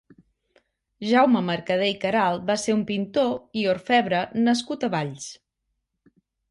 Jaume Mercadé i Queralt va ser un pintor i orfebre nascut a Valls.